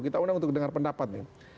kita undang untuk dengar pendapat nih